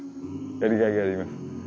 やりがいがあります。